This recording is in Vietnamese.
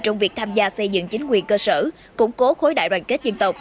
trong việc tham gia xây dựng chính quyền cơ sở củng cố khối đại đoàn kết dân tộc